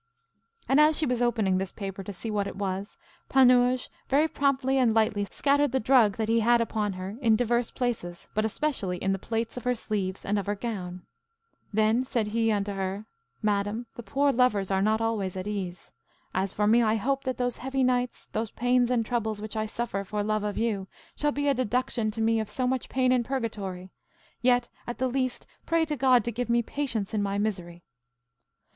And, as she was opening this paper to see what it was, Panurge very promptly and lightly scattered the drug that he had upon her in divers places, but especially in the plaits of her sleeves and of her gown. Then said he unto her, Madam, the poor lovers are not always at ease. As for me, I hope that those heavy nights, those pains and troubles, which I suffer for love of you, shall be a deduction to me of so much pain in purgatory; yet, at the least, pray to God to give me patience in my misery.